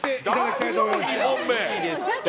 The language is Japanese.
２本目。